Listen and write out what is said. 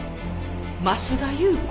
増田裕子？